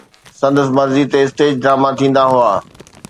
سندس مرضي تي اسٽيج ڊراما ٿيندا هئا.